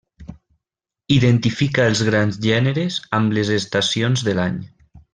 Identifica els grans gèneres amb les estacions de l'any.